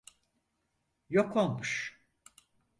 Yok olmuş.